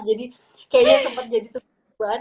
jadi kayaknya sempat jadi tukeran